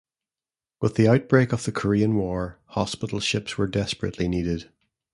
With the outbreak of the Korean War, hospital ships were desperately needed.